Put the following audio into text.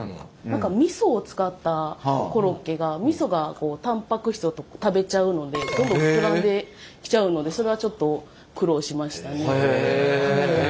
何かみそを使ったコロッケがみそがタンパク質を食べちゃうのでどんどん膨らんできちゃうのでそれはちょっと苦労しましたね。